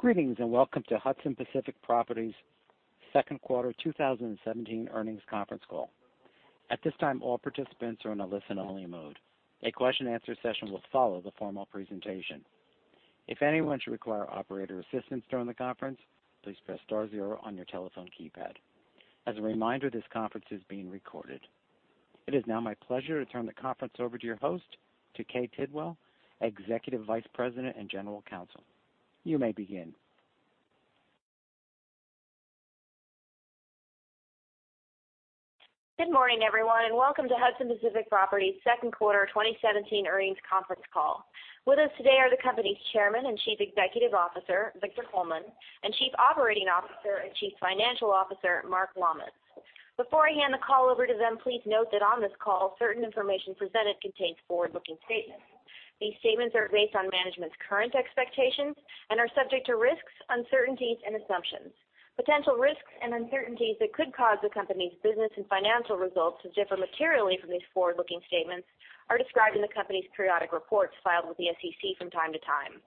Greetings, welcome to Hudson Pacific Properties' second quarter 2017 earnings conference call. At this time, all participants are in a listen-only mode. A question-and-answer session will follow the formal presentation. If anyone should require operator assistance during the conference, please press star zero on your telephone keypad. As a reminder, this conference is being recorded. It is now my pleasure to turn the conference over to your host, to Kay Tidwell, Executive Vice President and General Counsel. You may begin. Good morning, everyone, welcome to Hudson Pacific Properties' second quarter 2017 earnings conference call. With us today are the company's Chairman and Chief Executive Officer, Victor Coleman, and Chief Operating Officer and Chief Financial Officer, Mark Lammas. Before I hand the call over to them, please note that on this call, certain information presented contains forward-looking statements. These statements are based on management's current expectations and are subject to risks, uncertainties and assumptions. Potential risks and uncertainties that could cause the company's business and financial results to differ materially from these forward-looking statements are described in the company's periodic reports filed with the SEC from time to time.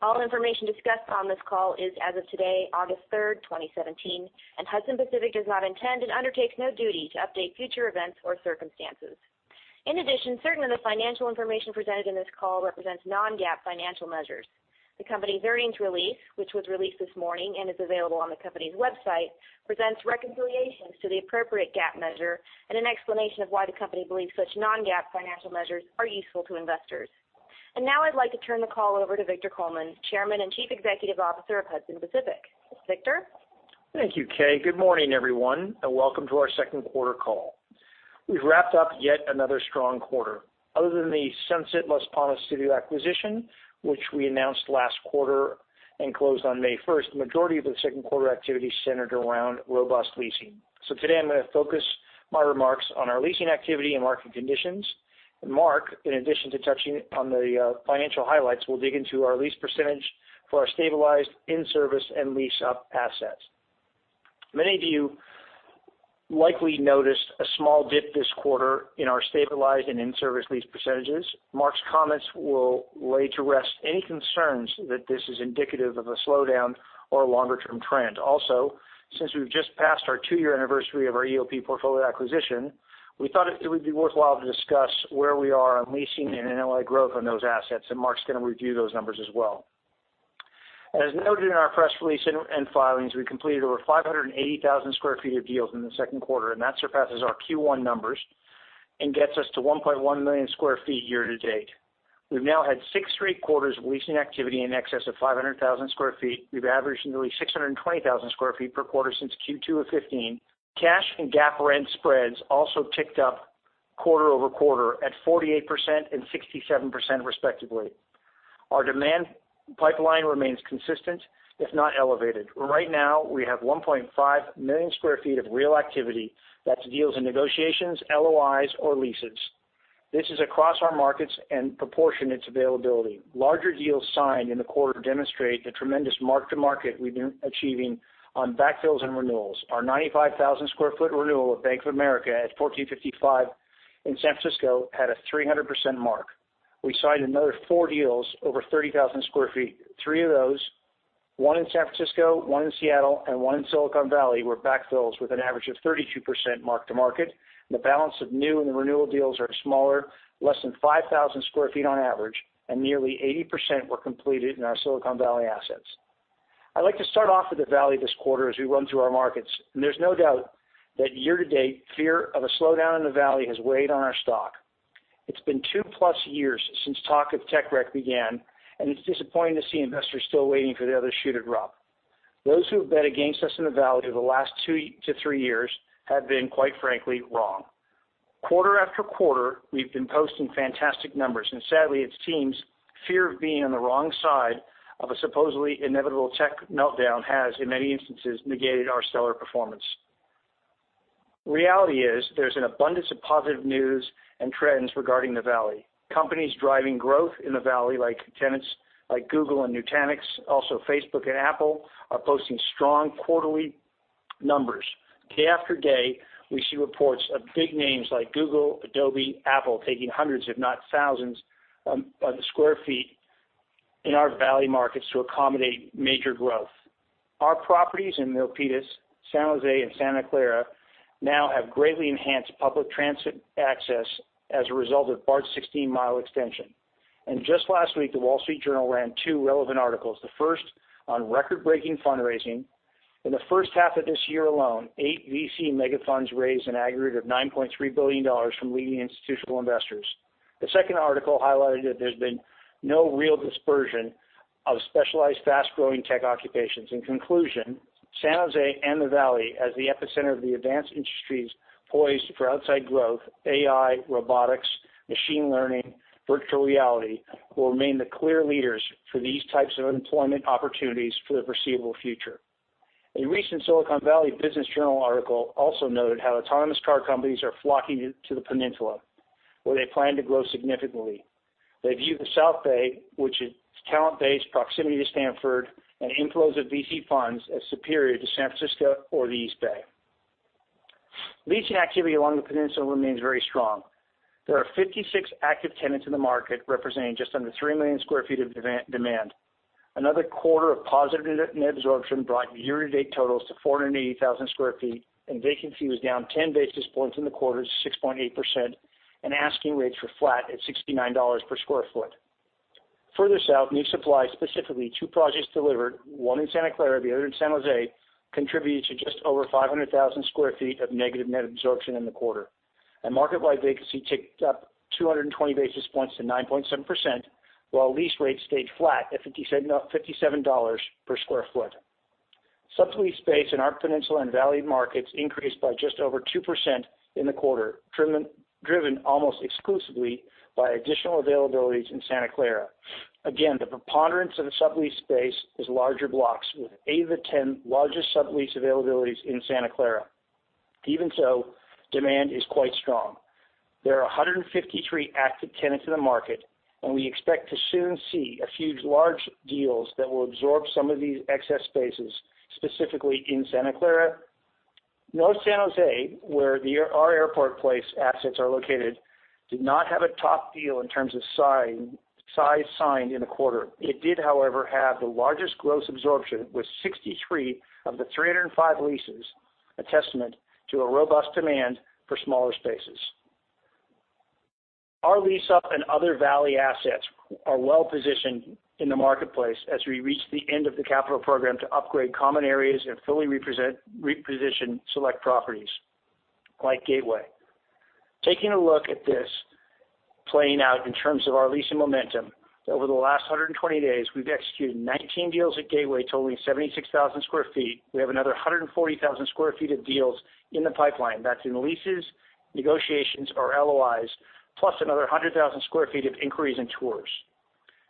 All information discussed on this call is as of today, August 3rd, 2017, Hudson Pacific does not intend and undertakes no duty to update future events or circumstances. In addition, certain of the financial information presented in this call represents non-GAAP financial measures. The company's earnings release, which was released this morning and is available on the company's website, presents reconciliations to the appropriate GAAP measure and an explanation of why the company believes such non-GAAP financial measures are useful to investors. Now I'd like to turn the call over to Victor Coleman, Chairman and Chief Executive Officer of Hudson Pacific. Victor? Thank you, Kay. Good morning, everyone, welcome to our second quarter call. We've wrapped up yet another strong quarter. Other than the Sunset Las Palmas Studio acquisition, which we announced last quarter and closed on May 1st, the majority of the second quarter activity centered around robust leasing. Today I'm going to focus my remarks on our leasing activity and market conditions. Mark, in addition to touching on the financial highlights, will dig into our lease percentage for our stabilized in-service and lease-up assets. Many of you likely noticed a small dip this quarter in our stabilized and in-service lease percentages. Mark's comments will lay to rest any concerns that this is indicative of a slowdown or a longer-term trend. Since we've just passed our two-year anniversary of our EOP portfolio acquisition, we thought it would be worthwhile to discuss where we are on leasing and NOI growth on those assets, and Mark's going to review those numbers as well. As noted in our press release and filings, we completed over 580,000 square feet of deals in the second quarter, and that surpasses our Q1 numbers and gets us to 1.1 million square feet year to date. We've now had six straight quarters of leasing activity in excess of 500,000 square feet. We've averaged nearly 620,000 square feet per quarter since Q2 2015. Cash and GAAP rent spreads also ticked up quarter-over-quarter at 48% and 67% respectively. Our demand pipeline remains consistent, if not elevated. Right now, we have 1.5 million square feet of real activity. That's deals in negotiations, LOIs, or leases. This is across our markets and proportionate to availability. Larger deals signed in the quarter demonstrate the tremendous mark-to-market we've been achieving on backfills and renewals. Our 95,000 square foot renewal of Bank of America at 1455 in San Francisco had a 300% mark. We signed another four deals over 30,000 square feet. Three of those, one in San Francisco, one in Seattle, and one in Silicon Valley, were backfills with an average of 32% mark-to-market. The balance of new and the renewal deals are smaller, less than 5,000 square feet on average, and nearly 80% were completed in our Silicon Valley assets. I'd like to start off with the Valley this quarter as we run through our markets. There's no doubt that year-to-date, fear of a slowdown in the Valley has weighed on our stock. It's been two-plus years since talk of tech wreck began. It's disappointing to see investors still waiting for the other shoe to drop. Those who have bet against us in the Valley over the last two to three years have been, quite frankly, wrong. Quarter-after-quarter, we've been posting fantastic numbers. Sadly, it seems fear of being on the wrong side of a supposedly inevitable tech meltdown has, in many instances, negated our stellar performance. Reality is, there's an abundance of positive news and trends regarding the Valley. Companies driving growth in the Valley, like tenants like Google and Nutanix, also Facebook and Apple, are posting strong quarterly numbers. Day after day, we see reports of big names like Google, Adobe, Apple, taking hundreds if not thousands of square feet in our Valley markets to accommodate major growth. Our properties in Milpitas, San Jose, and Santa Clara now have greatly enhanced public transit access as a result of BART's 16-mile extension. Just last week, The Wall Street Journal ran two relevant articles, the first on record-breaking fundraising. In the first half of this year alone, eight VC mega funds raised an aggregate of $9.3 billion from leading institutional investors. The second article highlighted that there's been no real dispersion of specialized, fast-growing tech occupations. In conclusion, San Jose and the Valley, as the epicenter of the advanced industries poised for outside growth, AI, robotics, machine learning, virtual reality, will remain the clear leaders for these types of employment opportunities for the foreseeable future. A recent Silicon Valley Business Journal article also noted how autonomous car companies are flocking to the Peninsula, where they plan to grow significantly. They view the South Bay, which is talent-based, proximity to Stanford, and inflows of VC funds, as superior to San Francisco or the East Bay. Leasing activity along the peninsula remains very strong. There are 56 active tenants in the market, representing just under 3 million square feet of demand. Another quarter of positive net absorption brought year-to-date totals to 480,000 square feet, and vacancy was down 10 basis points in the quarter to 6.8%, and asking rates were flat at $69 per square foot. Further south, new supply, specifically two projects delivered, one in Santa Clara, the other in San Jose, contributed to just over 500,000 square feet of negative net absorption in the quarter. Market-wide vacancy ticked up 220 basis points to 9.7%, while lease rates stayed flat at $57 per square foot. Sublease space in our peninsula and valley markets increased by just over 2% in the quarter, driven almost exclusively by additional availabilities in Santa Clara. Again, the preponderance of the sublease space is larger blocks, with 8 of the 10 largest sublease availabilities in Santa Clara. Even so, demand is quite strong. There are 153 active tenants in the market, and we expect to soon see a few large deals that will absorb some of these excess spaces, specifically in Santa Clara. North San Jose, where our Airport Place assets are located, did not have a top deal in terms of size signed in the quarter. It did, however, have the largest gross absorption with 63 of the 305 leases, a testament to a robust demand for smaller spaces. Our lease-up in other valley assets are well-positioned in the marketplace as we reach the end of the capital program to upgrade common areas and fully reposition select properties like Gateway. Taking a look at this playing out in terms of our leasing momentum, over the last 120 days, we've executed 19 deals at Gateway totaling 76,000 square feet. We have another 140,000 square feet of deals in the pipeline. That's in leases, negotiations, or LOIs, plus another 100,000 square feet of inquiries and tours.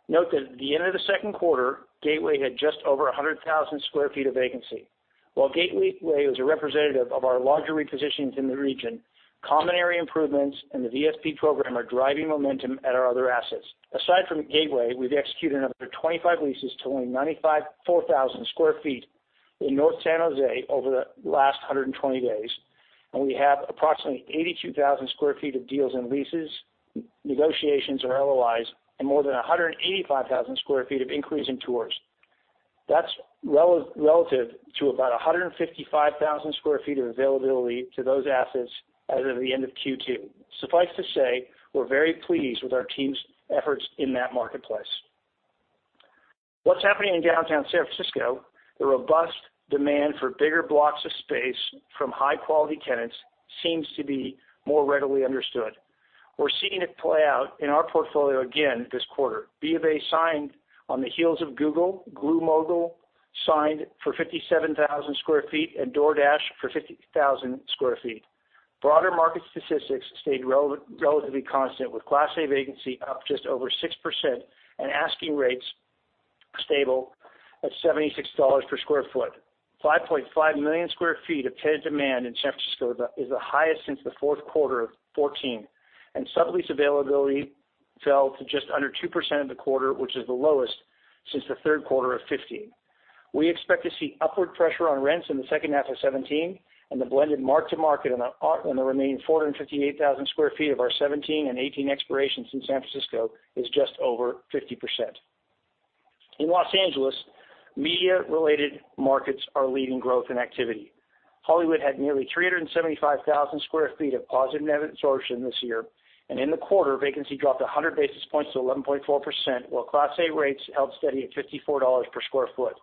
Note that at the end of the second quarter, Gateway had just over 100,000 square feet of vacancy. While Gateway was a representative of our larger repositions in the region, common area improvements and the VSP program are driving momentum at our other assets. Aside from Gateway, we've executed another 25 leases totaling 94,000 square feet in North San Jose over the last 120 days, and we have approximately 82,000 square feet of deals in leases, negotiations, or LOIs, and more than 185,000 square feet of inquiries and tours. That's relative to about 155,000 square feet of availability to those assets as of the end of Q2. Suffice to say, we're very pleased with our team's efforts in that marketplace. What's happening in downtown San Francisco, the robust demand for bigger blocks of space from high-quality tenants seems to be more readily understood. We're seeing it play out in our portfolio again this quarter. B of A signed on the heels of Google. Glu Mobile signed for 57,000 square feet, and DoorDash for 50,000 square feet. Broader market statistics stayed relatively constant, with Class A vacancy up just over 6%, and asking rates stable at $76 per square foot. 5.5 million square feet of tenant demand in San Francisco is the highest since the fourth quarter of 2014. Sublease availability fell to just under 2% of the quarter, which is the lowest since the third quarter of 2015. We expect to see upward pressure on rents in the second half of 2017, and the blended mark-to-market on the remaining 458,000 square feet of our 2017 and 2018 expirations in San Francisco is just over 50%. In L.A., media-related markets are leading growth and activity. Hollywood had nearly 375,000 square feet of positive net absorption this year. In the quarter, vacancy dropped 100 basis points to 11.4%, while Class A rates held steady at $54 per square foot.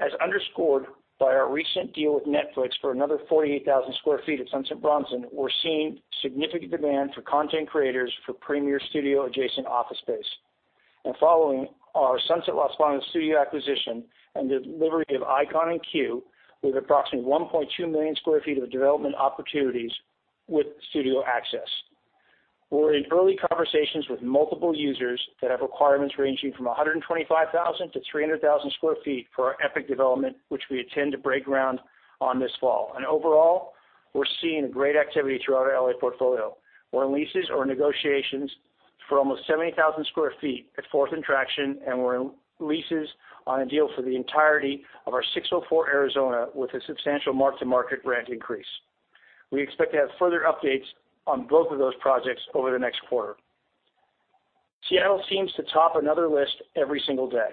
As underscored by our recent deal with Netflix for another 48,000 square feet at Sunset Bronson, we're seeing significant demand for content creators for premier studio-adjacent office space. Following our Sunset Las Palmas studio acquisition and the delivery of Icon and CUE, with approximately 1.2 million square feet of development opportunities with studio access. We're in early conversations with multiple users that have requirements ranging from 125,000 to 300,000 square feet for our Epic development, which we intend to break ground on this fall. Overall, we're seeing great activity through our L.A. portfolio. We're in leases or negotiations for almost 70,000 square feet at Fourth and Traction, and we're in leases on a deal for the entirety of our 604 Arizona with a substantial mark-to-market rent increase. We expect to have further updates on both of those projects over the next quarter. Seattle seems to top another list every single day.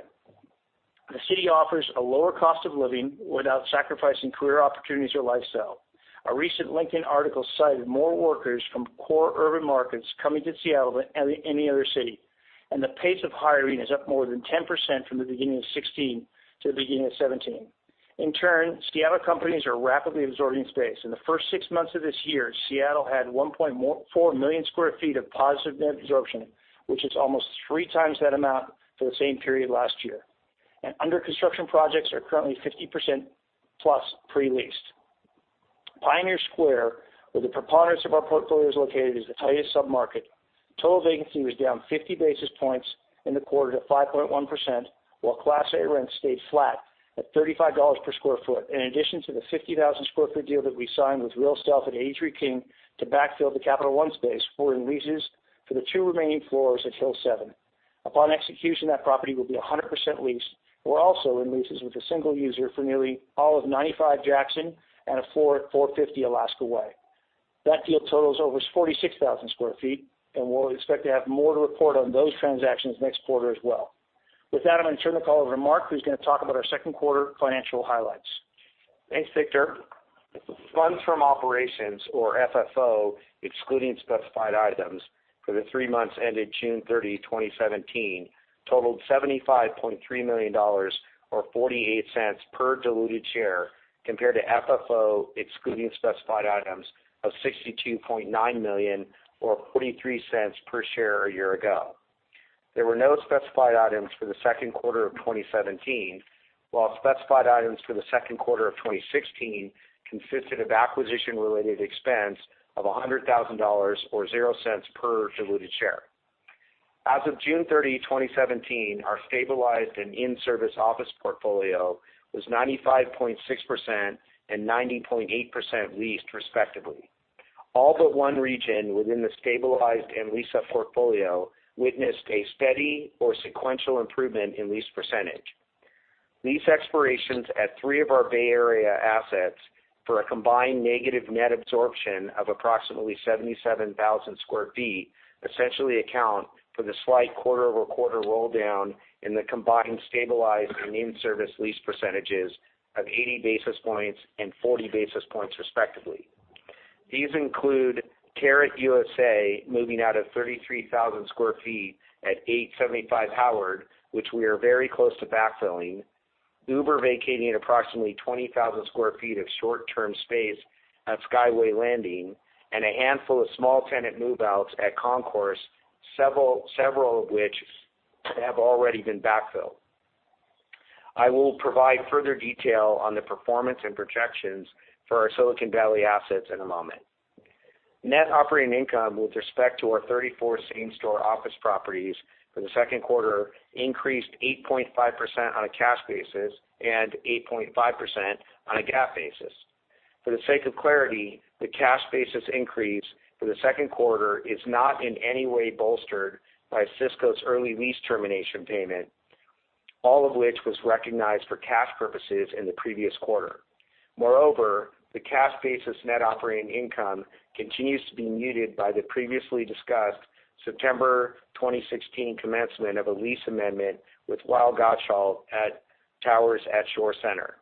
The city offers a lower cost of living without sacrificing career opportunities or lifestyle. A recent LinkedIn article cited more workers from core urban markets coming to Seattle than any other city, and the pace of hiring is up more than 10% from the beginning of 2016 to the beginning of 2017. In turn, Seattle companies are rapidly absorbing space. In the first six months of this year, Seattle had 1.4 million square feet of positive net absorption, which is almost three times that amount for the same period last year. Under construction projects are currently 50%-plus pre-leased. Pioneer Square, where the preponderance of our portfolio is located, is the tightest sub-market. Total vacancy was down 50 basis points in the quarter to 5.1%, while Class A rents stayed flat at $35 per square foot. In addition to the 50,000 square foot deal that we signed with RealSelf at 83 King to backfill the Capital One space, we're in leases for the two remaining floors at Hill7. Upon execution, that property will be 100% leased. We're also in leases with a single user for nearly all of 95 Jackson and a floor at 450 Alaskan Way. That deal totals over 46,000 square feet, and we'll expect to have more to report on those transactions next quarter as well. With that, I'm going to turn the call over to Mark, who's going to talk about our second quarter financial highlights. Thanks, Victor. Funds from operations or FFO, excluding specified items for the three months ended June 30, 2017, totaled $75.3 million, or $0.48 per diluted share, compared to FFO excluding specified items of $62.9 million or $0.43 per share a year ago. There were no specified items for the second quarter of 2017, while specified items for the second quarter of 2016 consisted of acquisition-related expense of $100,000, or $0.00 per diluted share. As of June 30, 2017, our stabilized and in-service office portfolio was 95.6% and 90.8% leased respectively. All but one region within the stabilized and lease-up portfolio witnessed a steady or sequential improvement in lease percentage. Lease expirations at three of our Bay Area assets for a combined negative net absorption of approximately 77,000 square feet, essentially account for the slight quarter-over-quarter roll down in the combined stabilized and in-service lease percentages of 80 basis points and 40 basis points respectively. These include Carrot USA moving out of 33,000 square feet at 875 Howard, which we are very close to backfilling, Uber vacating approximately 20,000 square feet of short-term space at Skyway Landing, and a handful of small tenant move-outs at Concourse, several of which have already been backfilled. I will provide further detail on the performance and projections for our Silicon Valley assets in a moment. Net operating income with respect to our 34 same-store office properties for the second quarter increased 8.5% on a cash basis and 8.5% on a GAAP basis. For the sake of clarity, the cash basis increase for the second quarter is not in any way bolstered by Cisco's early lease termination payment, all of which was recognized for cash purposes in the previous quarter. Moreover, the cash basis net operating income continues to be muted by the previously discussed September 2016 commencement of a lease amendment with Weil Gotshal at Towers at Shore Center.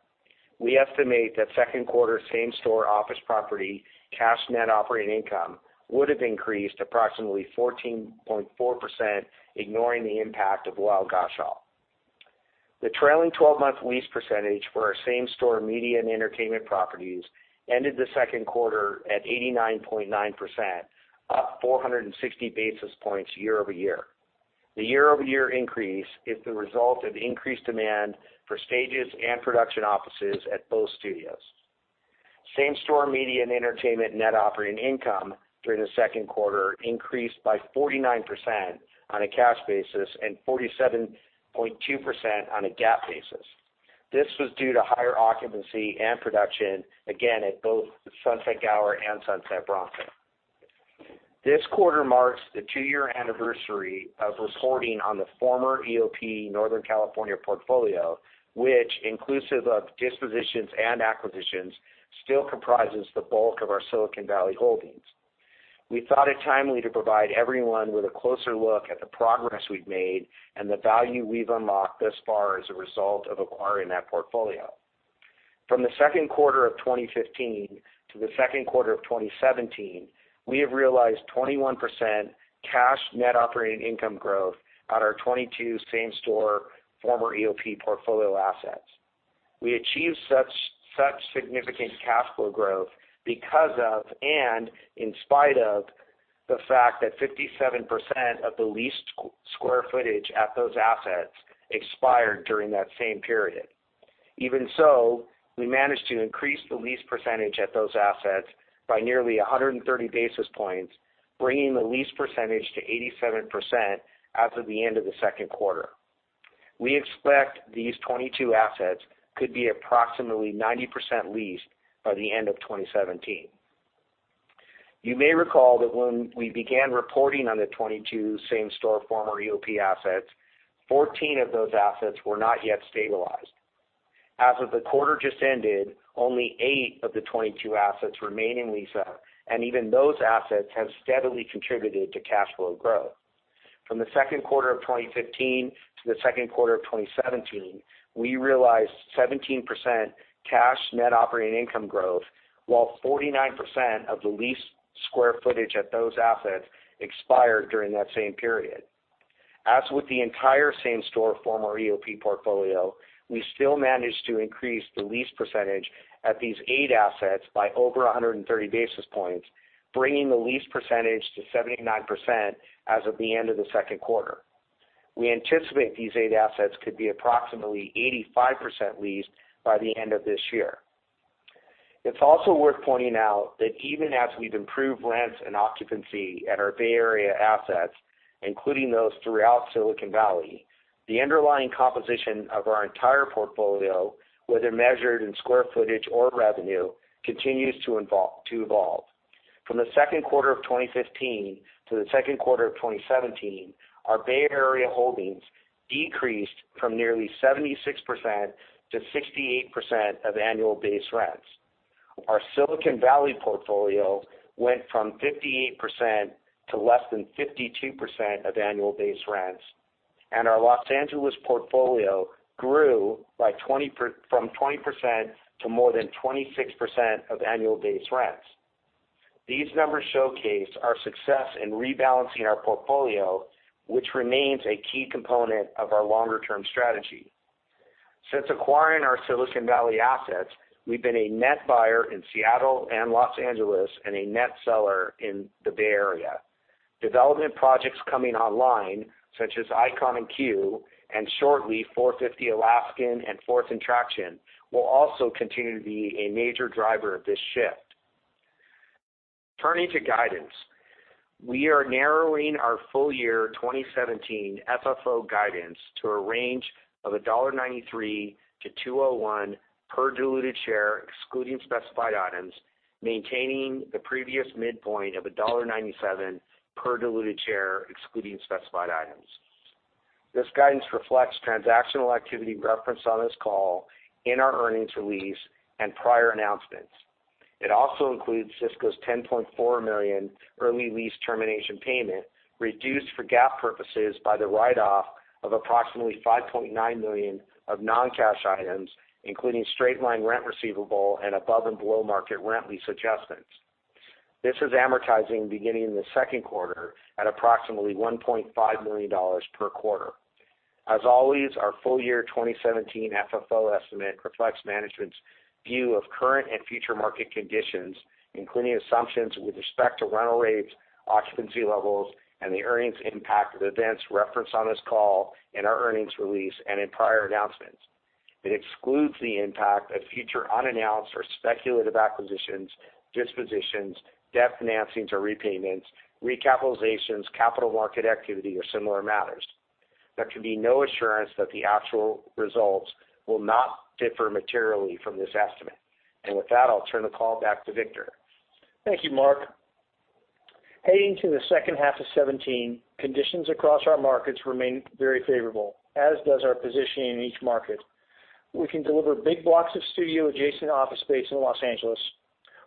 We estimate that second quarter same-store office property cash net operating income would have increased approximately 14.4%, ignoring the impact of Weil Gotshal. The trailing 12-month lease percentage for our same-store media and entertainment properties ended the second quarter at 89.9%, up 460 basis points year-over-year. The year-over-year increase is the result of increased demand for stages and production offices at both studios. Same-store media and entertainment net operating income during the second quarter increased by 49% on a cash basis and 47.2% on a GAAP basis. This was due to higher occupancy and production, again, at both Sunset Gower and Sunset Bronson. This quarter marks the two-year anniversary of reporting on the former EOP Northern California portfolio, which inclusive of dispositions and acquisitions, still comprises the bulk of our Silicon Valley holdings. We thought it timely to provide everyone with a closer look at the progress we've made and the value we've unlocked thus far as a result of acquiring that portfolio. From the second quarter of 2015 to the second quarter of 2017, we have realized 21% cash net operating income growth at our 22 same-store former EOP portfolio assets. We achieved such significant cash flow growth because of and in spite of the fact that 57% of the leased square footage at those assets expired during that same period. Even so, we managed to increase the lease percentage at those assets by nearly 130 basis points, bringing the lease percentage to 87% as of the end of the second quarter. We expect these 22 assets could be approximately 90% leased by the end of 2017. You may recall that when we began reporting on the 22 same-store former EOP assets, 14 of those assets were not yet stabilized. As of the quarter just ended, only eight of the 22 assets remain in lease-up, and even those assets have steadily contributed to cash flow growth. From the second quarter of 2015 to the second quarter of 2017, we realized 17% cash net operating income growth, while 49% of the leased square footage at those assets expired during that same period. As with the entire same-store former EOP portfolio, we still managed to increase the lease percentage at these eight assets by over 130 basis points, bringing the lease percentage to 79% as of the end of the second quarter. We anticipate these eight assets could be approximately 85% leased by the end of this year. It's also worth pointing out that even as we've improved rents and occupancy at our Bay Area assets, including those throughout Silicon Valley. The underlying composition of our entire portfolio, whether measured in square footage or revenue, continues to evolve. From the second quarter of 2015 to the second quarter of 2017, our Bay Area holdings decreased from nearly 76% to 68% of annual base rents. Our Silicon Valley portfolio went from 58% to less than 52% of annual base rents, and our Los Angeles portfolio grew from 20% to more than 26% of annual base rents. These numbers showcase our success in rebalancing our portfolio, which remains a key component of our longer-term strategy. Since acquiring our Silicon Valley assets, we've been a net buyer in Seattle and Los Angeles and a net seller in the Bay Area. Development projects coming online, such as Icon and CUE, and shortly 450 Alaskan and Fourth and Traction, will also continue to be a major driver of this shift. Turning to guidance, we are narrowing our full-year 2017 FFO guidance to a range of $1.93 to $2.01 per diluted share, excluding specified items, maintaining the previous midpoint of $1.97 per diluted share, excluding specified items. This guidance reflects transactional activity referenced on this call, in our earnings release, and prior announcements. It also includes Cisco's $10.4 million early lease termination payment, reduced for GAAP purposes by the write-off of approximately $5.9 million of non-cash items, including straight-line rent receivable and above and below market rent lease adjustments. This is amortizing beginning in the second quarter at approximately $1.5 million per quarter. As always, our full-year 2017 FFO estimate reflects management's view of current and future market conditions, including assumptions with respect to rental rates, occupancy levels, and the earnings impact of events referenced on this call, in our earnings release, and in prior announcements. It excludes the impact of future unannounced or speculative acquisitions, dispositions, debt financings or repayments, recapitalizations, capital market activity, or similar matters. There can be no assurance that the actual results will not differ materially from this estimate. With that, I'll turn the call back to Victor. Thank you, Mark. Heading to the second half of 2017, conditions across our markets remain very favorable, as does our positioning in each market. We can deliver big blocks of studio-adjacent office space in Los Angeles.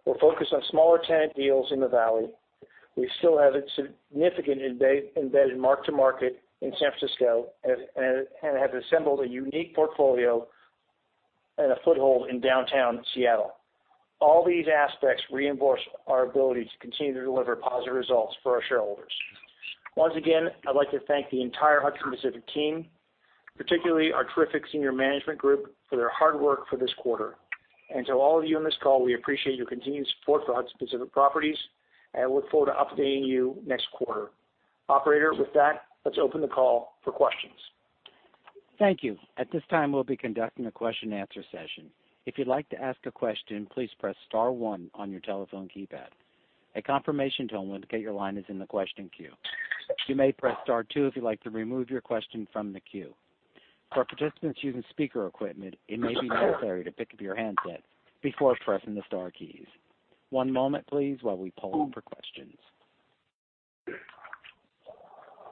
We're focused on smaller tenant deals in the Valley. We still have a significant embedded mark-to-market in San Francisco, and have assembled a unique portfolio and a foothold in downtown Seattle. All these aspects reinforce our ability to continue to deliver positive results for our shareholders. Once again, I'd like to thank the entire Hudson Pacific team, particularly our terrific senior management group, for their hard work for this quarter. To all of you on this call, we appreciate your continued support for Hudson Pacific Properties and look forward to updating you next quarter. Operator, with that, let's open the call for questions. Thank you. At this time, we'll be conducting a question and answer session. If you'd like to ask a question, please press star one on your telephone keypad. A confirmation tone will indicate your line is in the question queue. You may press star two if you'd like to remove your question from the queue. For participants using speaker equipment, it may be necessary to pick up your handset before pressing the star keys. One moment, please, while we poll for questions.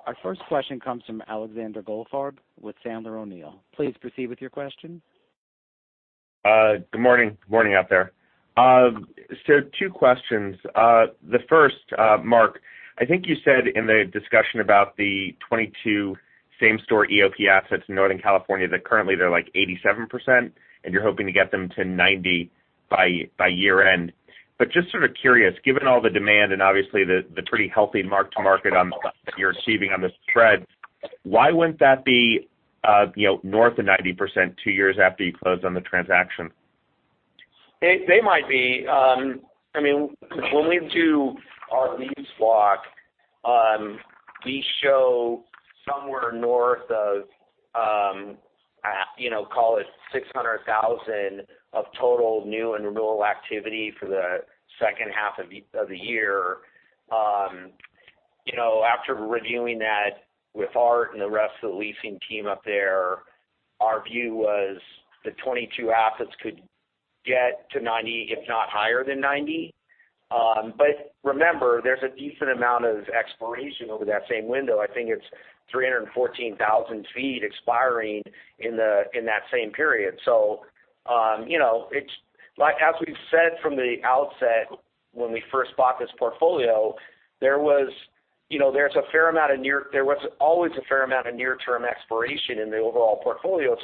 Our first question comes from Alexander Goldfarb with Sandler O'Neill. Please proceed with your question. Good morning. Morning out there. Two questions. The first, Mark, I think you said in the discussion about the 22 same-store EOP assets in Northern California that currently they're like 87%, and you're hoping to get them to 90 by year-end. But just sort of curious, given all the demand and obviously the pretty healthy mark-to-market that you're achieving on the spreads, why wouldn't that be north of 90% two years after you closed on the transaction? They might be. When we do our lease walk, we show somewhere north of, call it 600,000 of total new and renewal activity for the second half of the year. After reviewing that with Art and the rest of the leasing team up there, our view was the 22 assets could get to 90, if not higher than 90. Remember, there's a decent amount of expiration over that same window. I think it's 314,000 feet expiring in that same period. As we've said from the outset when we first bought this portfolio, there was always a fair amount of near-term expiration in the overall portfolio.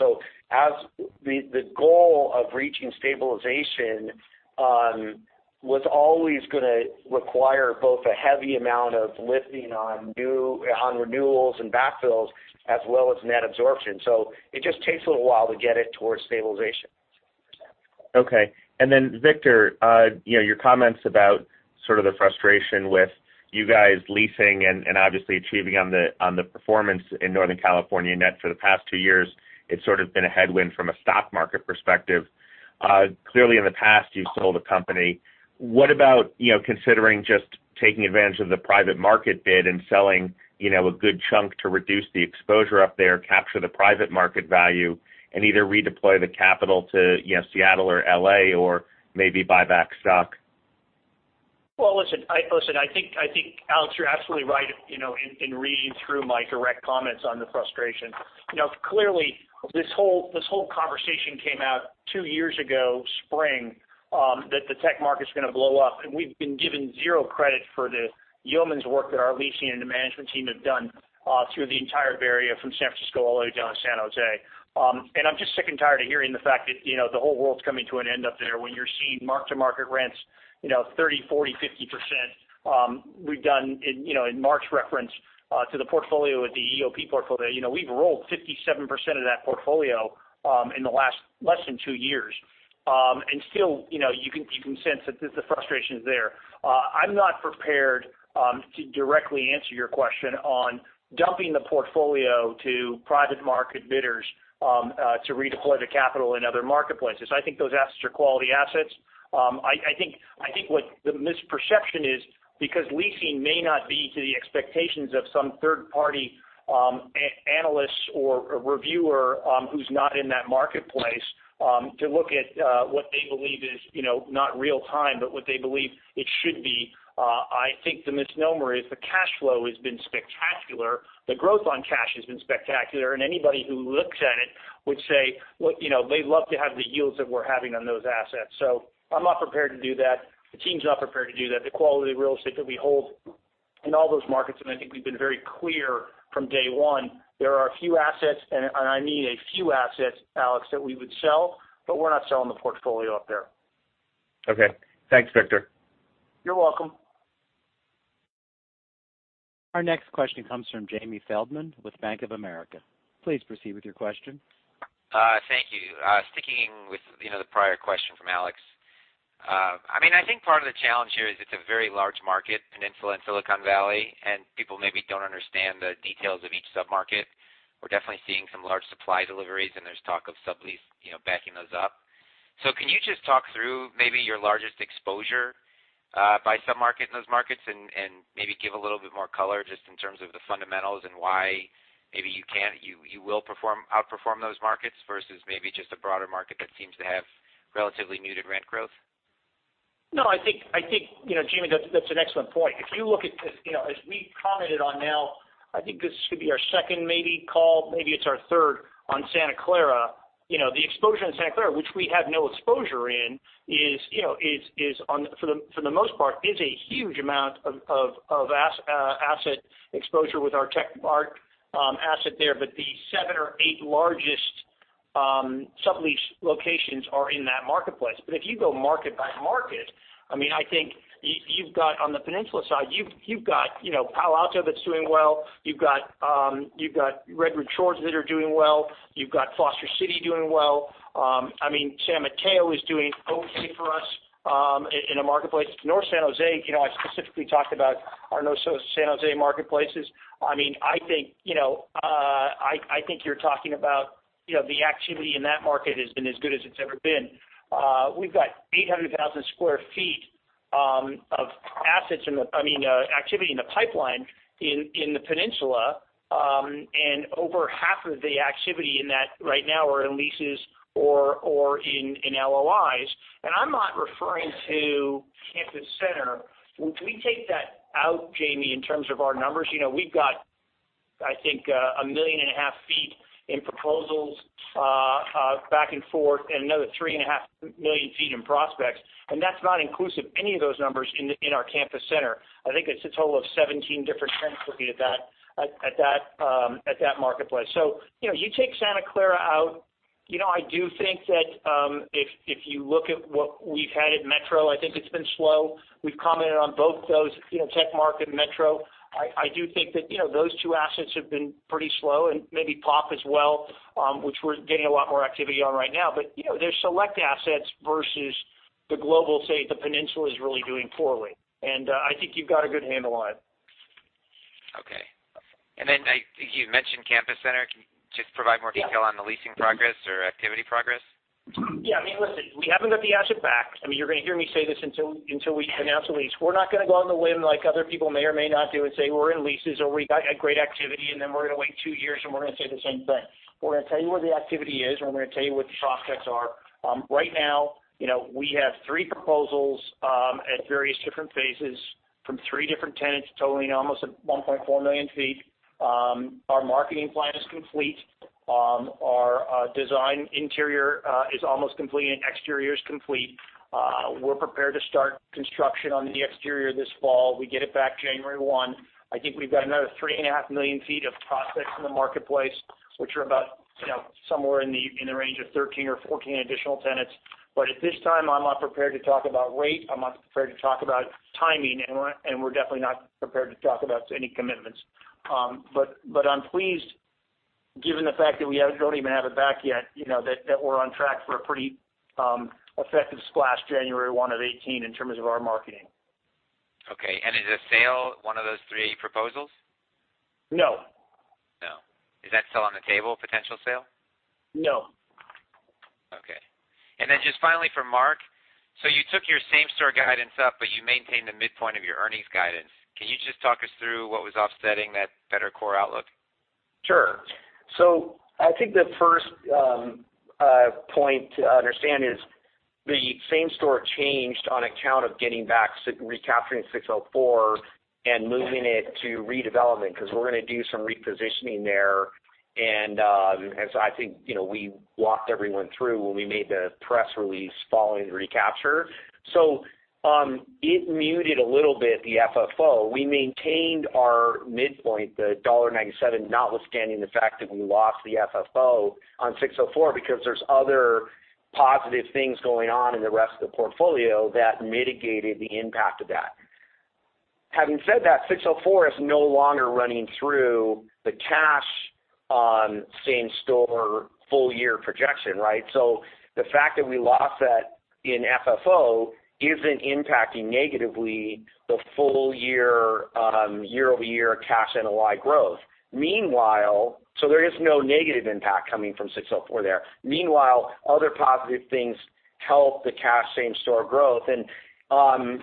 The goal of reaching stabilization was always going to require both a heavy amount of lifting on renewals and backfills, as well as net absorption. It just takes a little while to get it towards stabilization. Okay. Victor, your comments about sort of the frustration with you guys leasing and obviously achieving on the performance in Northern California net for the past two years, it's sort of been a headwind from a stock market perspective. Clearly, in the past, you've sold a company. What about considering just taking advantage of the private market bid and selling a good chunk to reduce the exposure up there, capture the private market value, and either redeploy the capital to Seattle or L.A., or maybe buy back stock? Well, listen, I think, Alex, you're absolutely right in reading through my direct comments on the frustration. Clearly, this whole conversation came out two years ago, spring, that the tech market's going to blow up. We've been given zero credit for the yeoman's work that our leasing and the management team have done through the entire Bay Area, from San Francisco all the way down to San Jose. I'm just sick and tired of hearing the fact that the whole world's coming to an end up there when you're seeing mark-to-market rents 30%, 40%, 50%. We've done, in Mark's reference to the portfolio at the EOP portfolio, we've rolled 57% of that portfolio in the last less than two years. Still, you can sense that the frustration's there. I'm not prepared to directly answer your question on dumping the portfolio to private market bidders to redeploy the capital in other marketplaces. I think those assets are quality assets. I think what the misperception is because leasing may not be to the expectations of some third-party analysts or a reviewer who's not in that marketplace to look at what they believe is not real-time, but what they believe it should be. I think the misnomer is the cash flow has been spectacular. The growth on cash has been spectacular. Anybody who looks at it would say they'd love to have the yields that we're having on those assets. I'm not prepared to do that. The team's not prepared to do that. The quality real estate that we hold in all those markets, and I think we've been very clear from day one, there are a few assets, and I mean a few assets, Alex, that we would sell. We're not selling the portfolio up there. Okay. Thanks, Victor. You're welcome. Our next question comes from Jamie Feldman with Bank of America. Please proceed with your question. Thank you. Sticking with the prior question from Alex. I think part of the challenge here is it's a very large market, peninsula in Silicon Valley, and people maybe don't understand the details of each sub-market. We're definitely seeing some large supply deliveries, and there's talk of sublease backing those up. Can you just talk through maybe your largest exposure by sub-market in those markets and maybe give a little bit more color just in terms of the fundamentals and why maybe you will outperform those markets versus maybe just a broader market that seems to have relatively muted rent growth? No, I think Jamie, that's an excellent point. If you look at this, as we've commented on now, I think this could be our second maybe call, maybe it's our third on Santa Clara. The exposure in Santa Clara, which we have no exposure in, for the most part, is a huge amount of asset exposure with our tech park asset there. The seven or eight largest sublease locations are in that marketplace. If you go market by market, I think on the peninsula side, you've got Palo Alto that's doing well. You've got Redwood Shores that are doing well. You've got Foster City doing well. San Mateo is doing okay for us in a marketplace. North San Jose, I specifically talked about our North San Jose marketplaces. I think you're talking about the activity in that market has been as good as it's ever been. We've got 800,000 square feet of activity in the pipeline in the peninsula, and over half of the activity in that right now are in leases or in LOIs. I'm not referring to Campus Center. If we take that out, Jamie, in terms of our numbers, we've got, I think, a million and a half feet in proposals back and forth and another three and a half million feet in prospects, and that's not inclusive any of those numbers in our Campus Center. I think it's a total of 17 different tenants looking at that marketplace. You take Santa Clara out. I do think that if you look at what we've had at Metro, I think it's been slow. We've commented on both those, tech market and Metro. I do think that those two assets have been pretty slow and maybe POP as well, which we're getting a lot more activity on right now. There's select assets versus the global, say the peninsula is really doing poorly. I think you've got a good handle on it. Okay. I think you mentioned Campus Center. Can you just provide more detail on the leasing progress or activity progress? Yeah. Listen, we haven't got the asset back. You're going to hear me say this until we announce a lease. We're not going to go on the limb like other people may or may not do and say we're in leases or we got great activity, and then we're going to wait two years, and we're going to say the same thing. We're going to tell you where the activity is, and we're going to tell you what the prospects are. Right now, we have three proposals at various different phases from three different tenants totaling almost 1.4 million feet. Our marketing plan is complete. Our design interior is almost complete, and exterior is complete. We're prepared to start construction on the exterior this fall. We get it back January 1. I think we've got another three and a half million feet of prospects in the marketplace, which are about somewhere in the range of 13 or 14 additional tenants. At this time, I'm not prepared to talk about rate, I'm not prepared to talk about timing, and we're definitely not prepared to talk about any commitments. I'm pleased given the fact that we don't even have it back yet, that we're on track for a pretty effective splash January 1 of 2018 in terms of our marketing. Okay. Is a sale one of those three proposals? No. No. Is that still on the table, potential sale? No. Just finally for Mark, you took your same-store guidance up, but you maintained the midpoint of your earnings guidance. Can you just talk us through what was offsetting that better core outlook? I think the first point to understand is the same-store changed on account of getting back, recapturing 604 and moving it to redevelopment, because we're going to do some repositioning there. I think, we walked everyone through when we made the press release following the recapture. It muted a little bit the FFO. We maintained our midpoint, the $1.97, notwithstanding the fact that we lost the FFO on 604 because there's other positive things going on in the rest of the portfolio that mitigated the impact of that. Having said that, 604 is no longer running through the cash on same-store full-year projection. The fact that we lost that in FFO isn't impacting negatively the full-year, year-over-year cash NOI growth. There is no negative impact coming from 604 there. Meanwhile, other positive things help the cash same-store growth. Harout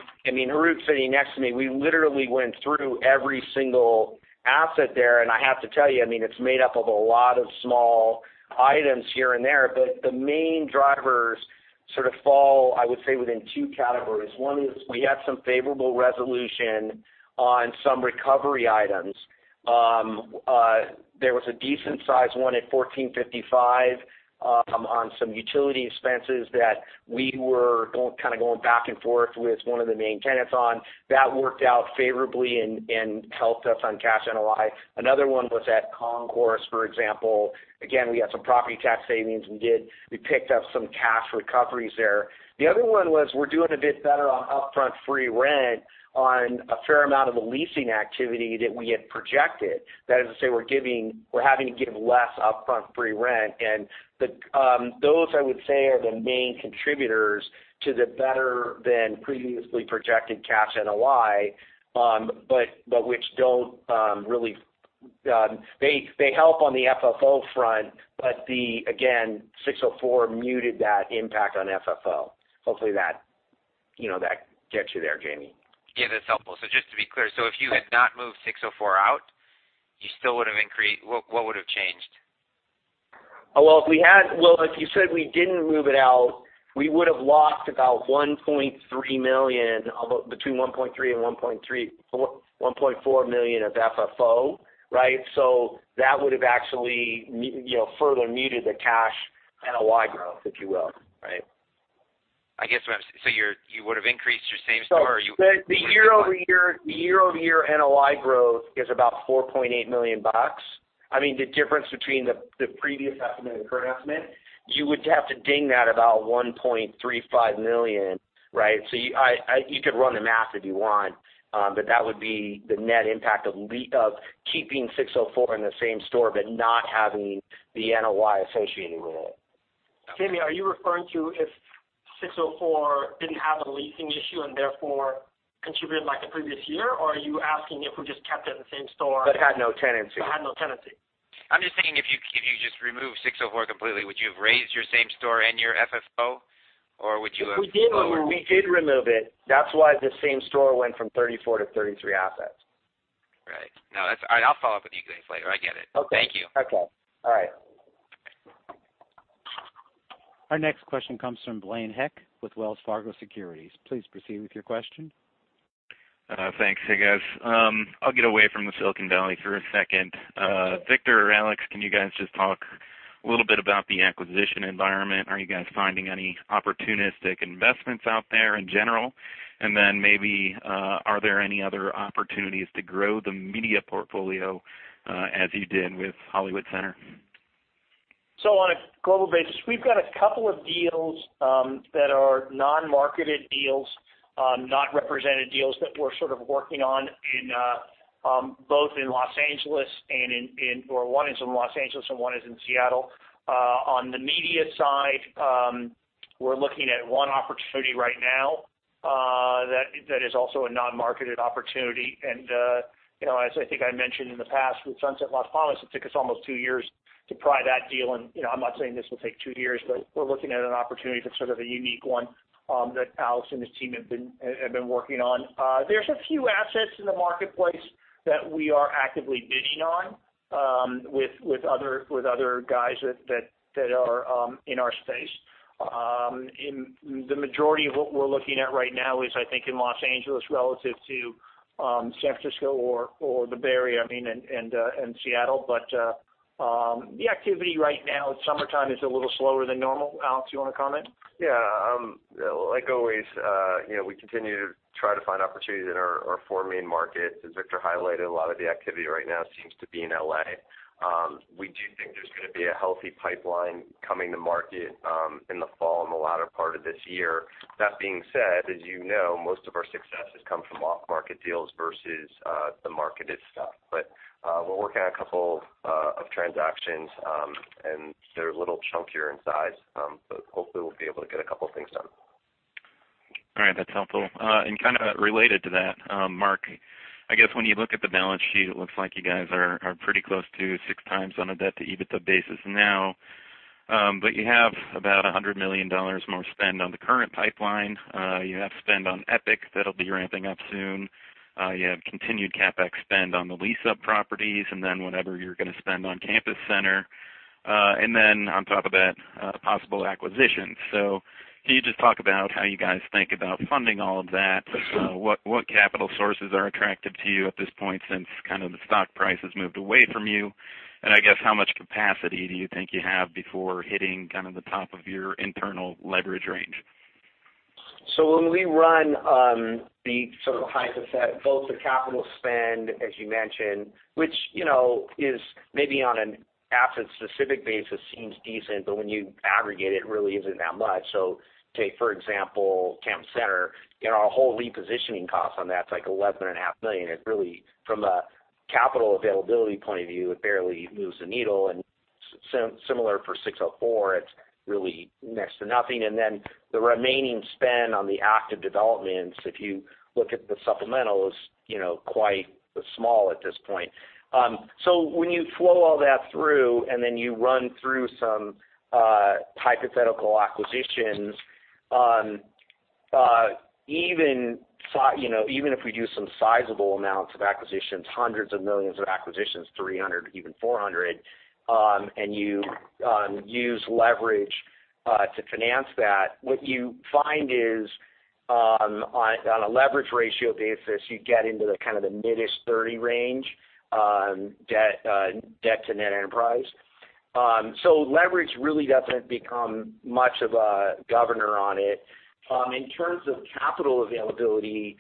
sitting next to me, we literally went through every single asset there, I have to tell you, it's made up of a lot of small items here and there. The main drivers sort of fall, I would say, within 2 categories. One is we have some favorable resolution on some recovery items. There was a decent size one at 1455, on some utility expenses that we were kind of going back and forth with one of the main tenants on. That worked out favorably and helped us on cash NOI. Another one was at Concourse, for example. Again, we had some property tax savings. We picked up some cash recoveries there. The other one was we're doing a bit better on upfront free rent on a fair amount of the leasing activity that we had projected. That is to say, we're having to give less upfront free rent. Those, I would say, are the main contributors to the better than previously projected cash NOI. They help on the FFO front, but again, 604 muted that impact on FFO. Hopefully that gets you there, Jamie. Yeah, that's helpful. Just to be clear, if you had not moved 604 out, what would have changed? Well, if you said we didn't move it out, we would have lost about between $1.3 million and $1.4 million of FFO. That would have actually further muted the cash NOI growth, if you will. You would have increased your same store- The year-over-year NOI growth is about $4.8 million. I mean, the difference between the previous estimate and the current estimate, you would have to ding that about $1.35 million. You could run the math if you want. That would be the net impact of keeping 604 in the same store, but not having the NOI associated with it. Jamie, are you referring to if 604 didn't have a leasing issue and therefore contributed like the previous year? Are you asking if we just kept it in the same store- Had no tenancy Had no tenancy? I'm just thinking if you just remove 604 completely, would you have raised your same store and your FFO? Or would you have lowered. If we did remove it, that's why the same store went from 34 to 33 assets. Right. No, that's all right. I'll follow up with you guys later. I get it. Okay. Thank you. Okay. All right. Our next question comes from Blaine Heck with Wells Fargo Securities. Please proceed with your question. Thanks. Hey, guys. I'll get away from the Silicon Valley for a second. Victor or Alex, can you guys just talk a little bit about the acquisition environment? Are you guys finding any opportunistic investments out there in general? Maybe, are there any other opportunities to grow the media portfolio as you did with Hollywood Center? On a global basis, we've got a couple of deals that are non-marketed deals, not represented deals that we're sort of working on, both in Los Angeles or one is in Los Angeles and one is in Seattle. On the media side, we're looking at one opportunity right now, that is also a non-marketed opportunity. As I think I mentioned in the past with Sunset Las Palmas, it took us almost two years to pry that deal, and I'm not saying this will take two years, but we're looking at an opportunity that's sort of a unique one that Alex and his team have been working on. There's a few assets in the marketplace that we are actively bidding on, with other guys that are in our space. The majority of what we're looking at right now is, I think, in Los Angeles relative to San Francisco or the Bay Area, I mean, and Seattle. The activity right now, it's summertime, is a little slower than normal. Alex, you want to comment? Yeah. Like always, we continue to try to find opportunities in our four main markets. As Victor highlighted, a lot of the activity right now seems to be in L.A. We do think there's going to be a healthy pipeline coming to market in the fall and the latter part of this year. That being said, as you know, most of our success has come from off-market deals versus the marketed stuff. We're working on a couple of transactions, and they're a little chunkier in size. Hopefully we'll be able to get a couple of things done. All right. That's helpful. Kind of related to that, Mark, I guess when you look at the balance sheet, it looks like you guys are pretty close to six times on a debt to EBITDA basis now. You have about $100 million more spend on the current pipeline. You have spend on Epic that'll be ramping up soon. You have continued CapEx spend on the lease-up properties, and then whatever you're going to spend on Campus Center. On top of that, possible acquisitions. Can you just talk about how you guys think about funding all of that? What capital sources are attractive to you at this point since kind of the stock price has moved away from you? I guess how much capacity do you think you have before hitting kind of the top of your internal leverage range? When we run the sort of hypothetical, both the capital spend, as you mentioned, which is maybe on an asset-specific basis seems decent, when you aggregate it really isn't that much. Take, for example, Campus Center. Our whole repositioning cost on that's like $11.5 million. From a capital availability point of view, it barely moves the needle, and similar for 604, it's really next to nothing. The remaining spend on the active developments, if you look at the supplemental, is quite small at this point. When you flow all that through, you run through some hypothetical acquisitions. Even if we do some sizable amounts of acquisitions, hundreds of millions of acquisitions, $300 million, even $400 million, and you use leverage to finance that, what you find is, on a leverage ratio basis, you get into the kind of the mid-ish 30 range, debt to net enterprise. Leverage really doesn't become much of a governor on it. In terms of capital availability,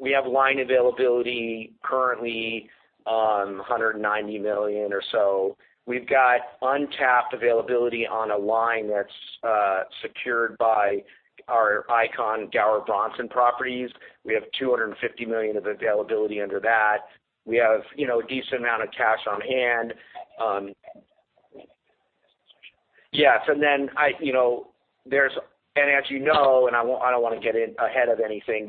we have line availability currently, $190 million or so. We've got untapped availability on a line that's secured by our Icon Gower Bronson properties. We have $250 million of availability under that. We have a decent amount of cash on hand. As you know, I don't want to get ahead of anything,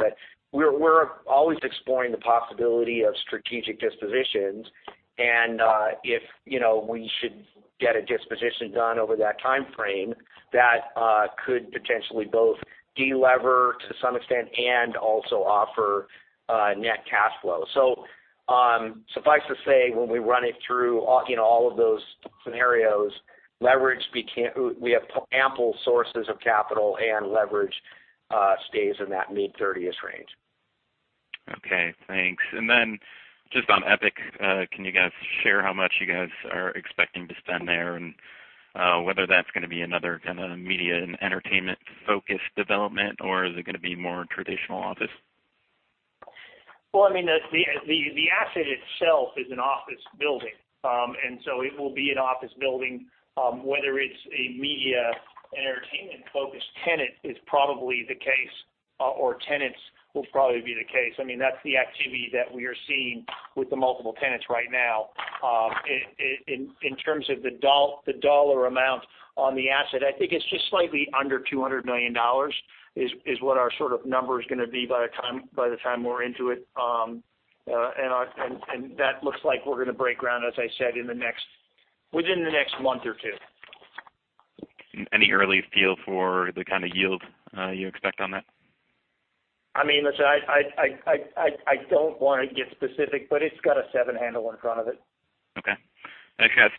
we're always exploring the possibility of strategic dispositions. If we should get a disposition done over that timeframe, that could potentially both de-lever to some extent and also offer net cash flow. Suffice to say, when we run it through all of those scenarios, we have ample sources of capital and leverage stays in that mid-30ish range. Okay, thanks. Just on Epic, can you guys share how much you guys are expecting to spend there and whether that's going to be another kind of media and entertainment-focused development, or is it going to be more traditional office? Well, the asset itself is an office building. It will be an office building, whether it's a media and entertainment-focused tenant is probably the case, or tenants will probably be the case. That's the activity that we are seeing with the multiple tenants right now. In terms of the dollar amount on the asset, I think it's just slightly under $200 million, is what our sort of number is going to be by the time we're into it. That looks like we're going to break ground, as I said, within the next month or two. Any early feel for the kind of yield you expect on that? I don't want to get specific, but it's got a seven handle in front of it. Okay. Thanks, guys.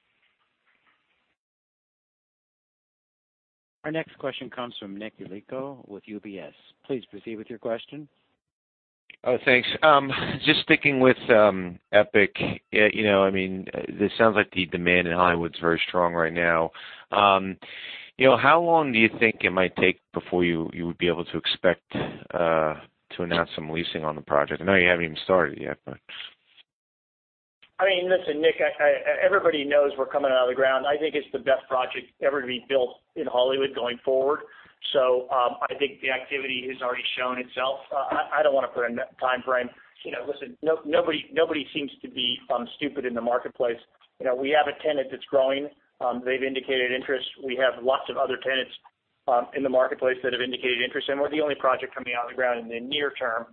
Our next question comes from Nick Yeko with UBS. Please proceed with your question. Oh, thanks. Just sticking with Epic. This sounds like the demand in Hollywood's very strong right now. How long do you think it might take before you would be able to expect to announce some leasing on the project? I know you haven't even started yet, but. Listen, Nick, everybody knows we're coming out of the ground. I think it's the best project ever to be built in Hollywood going forward. I think the activity has already shown itself. I don't want to put a timeframe. Listen, nobody seems to be stupid in the marketplace. We have a tenant that's growing. They've indicated interest. We have lots of other tenants in the marketplace that have indicated interest, we're the only project coming out of the ground in the near term.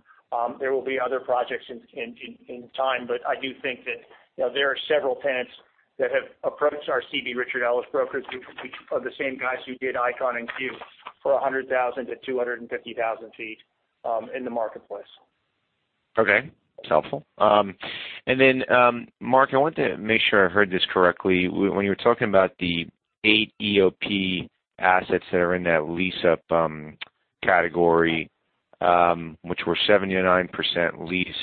There will be other projects in time, but I do think that there are several tenants that have approached our CB Richard Ellis brokers, which are the same guys who did Icon and Q, for 100,000-250,000 feet in the marketplace. Okay. That's helpful. Mark, I want to make sure I heard this correctly. When you were talking about the eight EOP assets that are in that lease-up category, which were 79% leased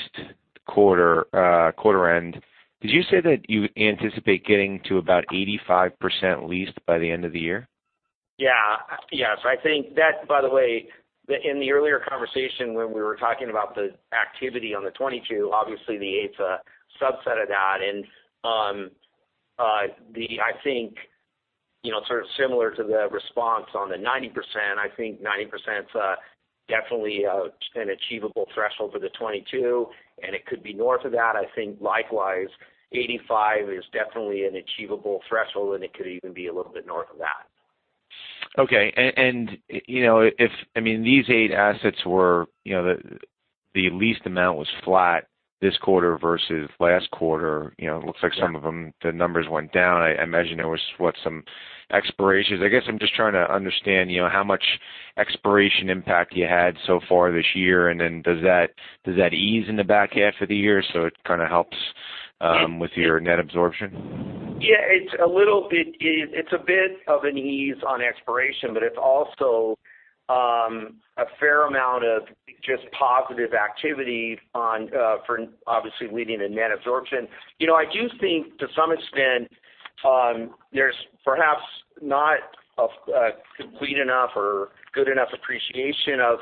quarter end, did you say that you anticipate getting to about 85% leased by the end of the year? Yeah. Yes. I think that, by the way, in the earlier conversation when we were talking about the activity on the 22, obviously the eight's a subset of that. I think sort of similar to the response on the 90%, I think 90%'s definitely an achievable threshold for the 22, and it could be north of that. I think likewise, 85 is definitely an achievable threshold, and it could even be a little bit north of that. These eight assets where the leased amount was flat this quarter versus last quarter. It looks like some of them, the numbers went down. I imagine there was some expirations. I guess I'm just trying to understand how much expiration impact you had so far this year, and then does that ease in the back half of the year, so it kind of helps with your net absorption? It's a bit of an ease on expiration, it's also a fair amount of just positive activity for obviously leading to net absorption. I do think to some extent, there's perhaps not a complete enough or good enough appreciation of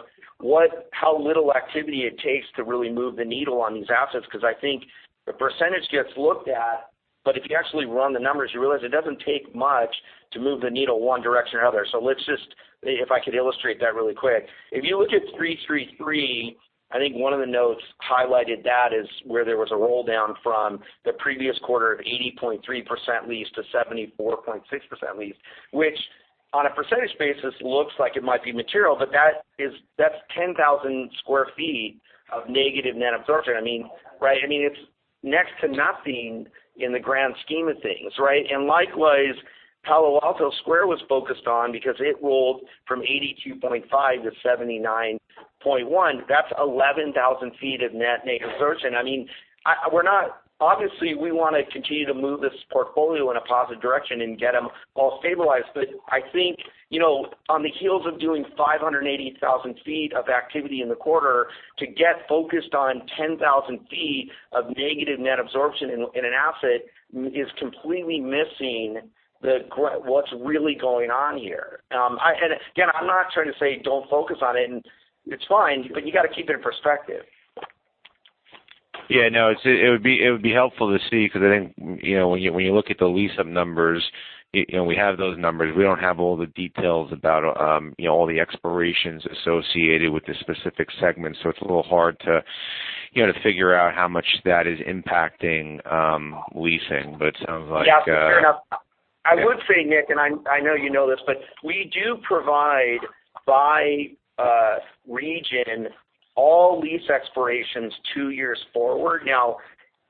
how little activity it takes to really move the needle on these assets, because I think the percentage gets looked at, but if you actually run the numbers, you realize it doesn't take much to move the needle one direction or other. Let's just, if I could illustrate that really quick. If you look at 333, I think one of the notes highlighted that as where there was a roll-down from the previous quarter of 80.3% leased to 74.6% leased, which on a percentage basis looks like it might be material, but that's 10,000 sq ft of negative net absorption. It's next to nothing in the grand scheme of things, right? Likewise, Palo Alto Square was focused on because it rolled from 82.5% to 79.1%. That's 11,000 sq ft of net negative absorption. Obviously, we want to continue to move this portfolio in a positive direction and get them all stabilized, I think, on the heels of doing 580,000 sq ft of activity in the quarter, to get focused on 10,000 sq ft of negative net absorption in an asset is completely missing what's really going on here. Again, I'm not trying to say don't focus on it, and it's fine, you got to keep it in perspective. No, it would be helpful to see because I think, when you look at the lease-up numbers, we have those numbers. We don't have all the details about all the expirations associated with the specific segments, it's a little hard to figure out how much that is impacting leasing. It sounds like. Yeah. I would say, Nick, I know you know this, we do provide by region all lease expirations two years forward. Now,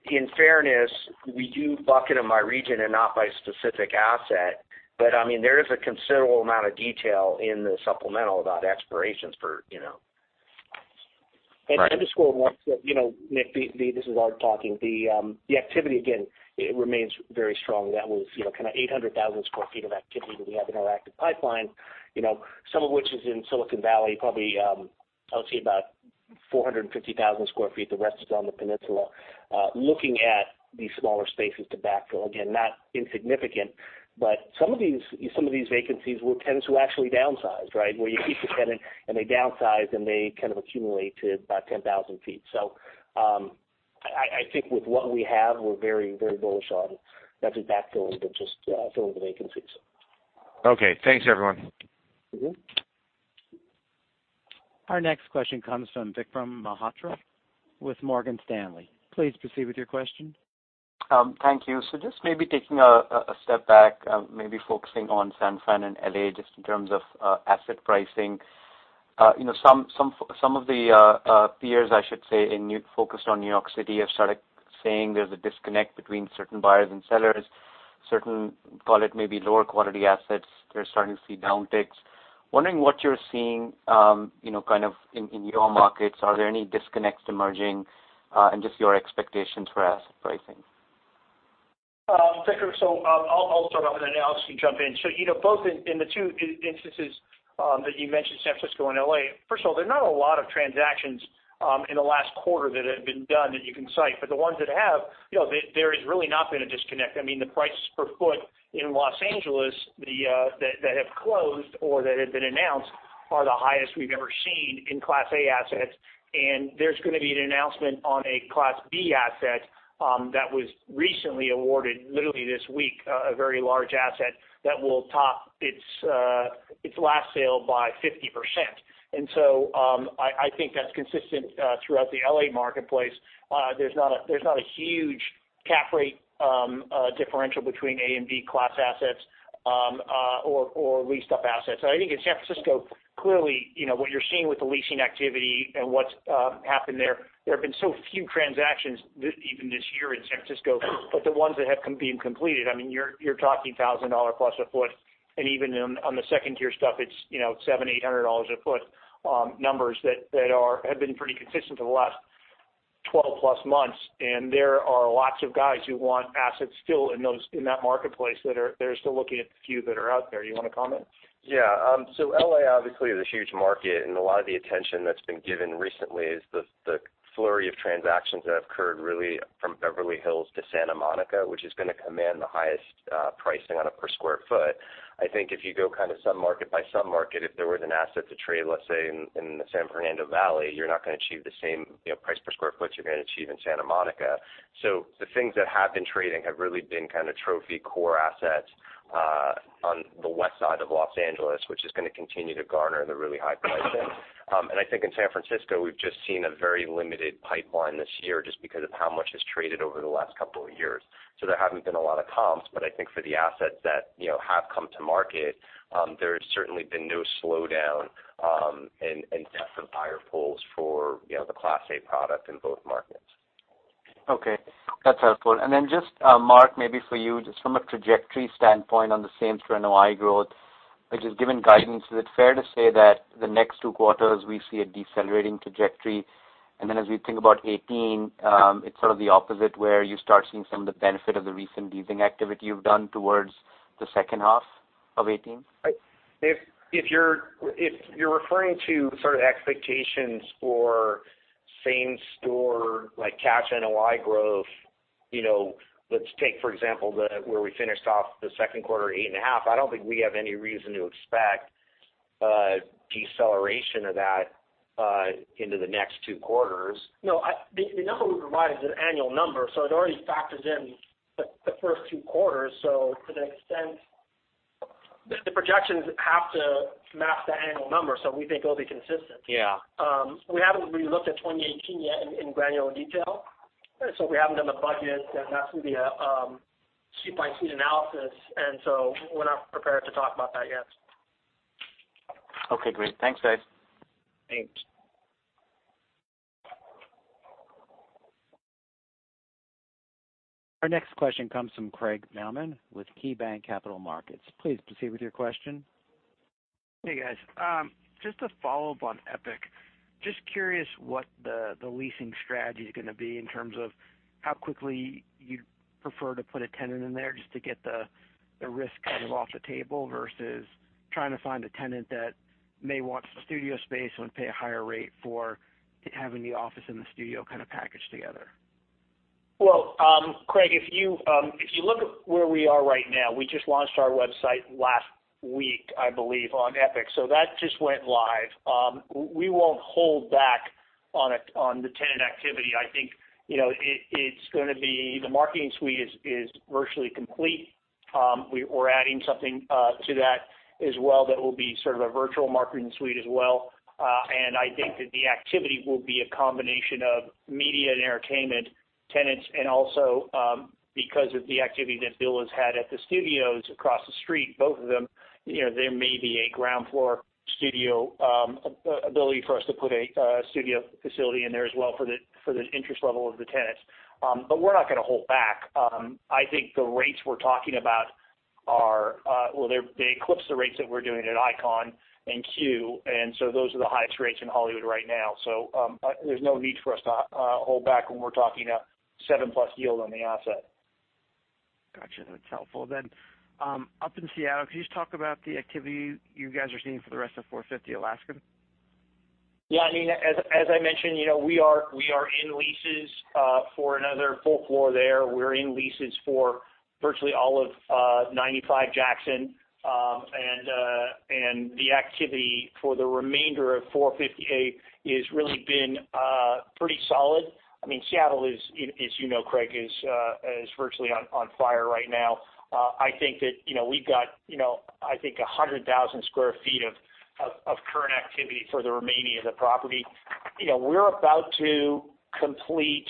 in fairness, we do bucket them by region and not by specific asset. There is a considerable amount of detail in the supplemental about expirations for. To underscore once, Nick, this is Art talking. The activity, again, it remains very strong. That was kind of 800,000 square feet of activity that we have in our active pipeline, some of which is in Silicon Valley, probably I would say about 450,000 square feet. The rest is on the peninsula. Looking at these smaller spaces to backfill. Again, not insignificant, but some of these vacancies were tenants who actually downsized. Where you keep the tenant and they downsized, and they kind of accumulated about 10,000 feet. I think with what we have, we're very bullish on not just backfilling, but just filling the vacancies. Okay. Thanks, everyone. Our next question comes from Vikram Malhotra with Morgan Stanley. Please proceed with your question. Thank you. Just maybe taking a step back, maybe focusing on San Fran and L.A., just in terms of asset pricing. Some of the peers, I should say, focused on New York City have started saying there's a disconnect between certain buyers and sellers. Certain, call it maybe lower-quality assets, they're starting to see downticks. Wondering what you're seeing in your markets. Are there any disconnects emerging? Just your expectations for asset pricing. Vikram, I'll start off with it, and Alex can jump in. Both in the two instances that you mentioned, San Francisco and L.A. First of all, there are not a lot of transactions in the last quarter that have been done that you can cite, but the ones that have, there has really not been a disconnect. The prices per foot in Los Angeles that have closed or that have been announced are the highest we've ever seen in Class A assets. There's going to be an announcement on a Class B asset that was recently awarded, literally this week, a very large asset that will top its last sale by 50%. I think that's consistent throughout the L.A. marketplace. There's not a huge cap rate differential between A and B class assets or leased-up assets. I think in San Francisco, clearly, what you're seeing with the leasing activity and what's happened there have been so few transactions even this year in San Francisco, but the ones that have been completed, you're talking $1,000-plus a foot, and even on the second-tier stuff, it's $700, $800 a foot numbers that have been pretty consistent for the last 12-plus months, and there are lots of guys who want assets still in that marketplace that are still looking at the few that are out there. You want to comment? Yeah. L.A. obviously is a huge market, and a lot of the attention that's been given recently is the flurry of transactions that have occurred really from Beverly Hills to Santa Monica, which is going to command the highest pricing on a per square foot. I think if you go kind of sub-market by sub-market, if there was an asset to trade, let's say in the San Fernando Valley, you're not going to achieve the same price per square foot you're going to achieve in Santa Monica. The things that have been trading have really been kind of trophy core assets on the west side of Los Angeles, which is going to continue to garner the really high pricing. I think in San Francisco, we've just seen a very limited pipeline this year just because of how much has traded over the last couple of years. There haven't been a lot of comps, but I think for the assets that have come to market, there's certainly been no slowdown in depth of buyer pools for the Class A product in both markets. Okay. That's helpful. Then just, Mark, maybe for you, just from a trajectory standpoint on the same-store NOI growth, which has given guidance, is it fair to say that the next two quarters we see a decelerating trajectory? Then as we think about 2018, it's sort of the opposite, where you start seeing some of the benefit of the recent leasing activity you've done towards the second half of 2018? If you're referring to sort of expectations for same-store, like cash NOI growth, let's take, for example, where we finished off the second quarter, eight and a half. I don't think we have any reason to expect a deceleration of that into the next two quarters. No, the number we provide is an annual number, so it already factors in the first two quarters. To that extent, the projections have to match the annual number, so we think it'll be consistent. Yeah. We haven't re-looked at 2018 yet in granular detail. We haven't done the budget. That has to be a suite-by-suite analysis, we're not prepared to talk about that yet. Okay, great. Thanks, guys. Thanks. Our next question comes from Craig Neumann with KeyBanc Capital Markets. Please proceed with your question. Hey, guys. Just a follow-up on Epic. Just curious what the leasing strategy's going to be in terms of how quickly you'd prefer to put a tenant in there just to get the risk kind of off the table versus trying to find a tenant that may want some studio space and would pay a higher rate for having the office and the studio kind of packaged together. Well, Craig, if you look at where we are right now, we just launched our website last week, I believe, on Epic. That just went live. We won't hold back on the tenant activity. I think the marketing suite is virtually complete. We're adding something to that as well that will be sort of a virtual marketing suite as well. I think that the activity will be a combination of media and entertainment tenants, and also because of the activity that Bill has had at the studios across the street, both of them, there may be a ground-floor studio ability for us to put a studio facility in there as well for the interest level of the tenants. We're not going to hold back. I think the rates we're talking about, they eclipse the rates that we're doing at Icon and CUE. Those are the highest rates in Hollywood right now. There's no need for us to hold back when we're talking a 7-plus yield on the asset. Gotcha. That's helpful. Up in Seattle, can you just talk about the activity you guys are seeing for the rest of 450 Alaskan? Yeah. As I mentioned, we are in leases for another full floor there. We're in leases for virtually all of 95 Jackson, the activity for the remainder of 458 has really been pretty solid. Seattle, as you know, Craig, is virtually on fire right now. I think that we've got 100,000 sq ft of current activity for the remaining of the property. We're about to complete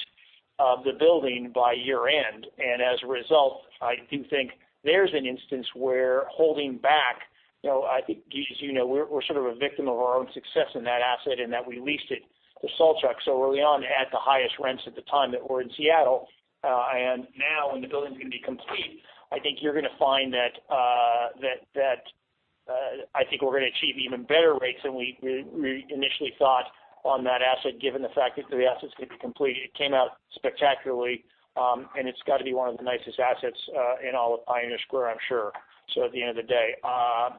the building by year-end, as a result, I do think there's an instance where holding back, I think as you know, we're sort of a victim of our own success in that asset in that we leased it to Saltchuk so early on at the highest rents at the time that were in Seattle. When the building's going to be complete, I think you're going to find that I think we're going to achieve even better rates than we initially thought on that asset, given the fact that the asset's going to be completed. It came out spectacularly, and it's got to be one of the nicest assets in all of Pioneer Square, I'm sure, so at the end of the day.